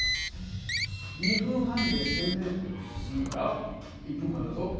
２分半で１０００メートル進むから１分間だと？